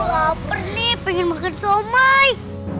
wah kagak laper nih pengen makan somai